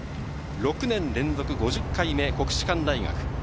６年連続５０回目、国士舘大学。